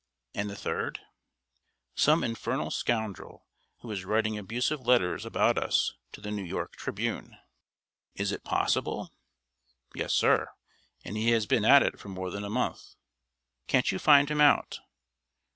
"And the third?" "Some infernal scoundrel, who is writing abusive letters about us to The New York Tribune." "Is it possible?" "Yes, sir, and he has been at it for more than a month." "Can't you find him out?"